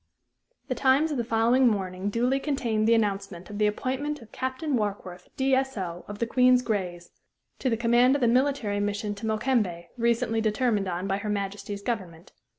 The Times of the following morning duly contained the announcement of the appointment of Captain Warkworth, D.S.O., of the Queen's Grays, to the command of the military mission to Mokembe recently determined on by her Majesty's government.